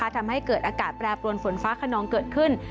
ทำให้เกิดอากาศแปรปรวนฝนฟ้าขนองเกิดขึ้น